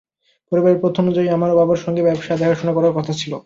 পরিবারের প্রথা অনুযায়ী আমারও বাবার সঙ্গে ব্যবসা দেখাশোনা করার কথা ছিল।